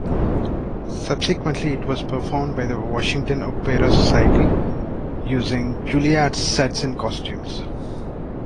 Subsequently it was performed by the Washington Opera Society, using Juilliard's sets and Costumes.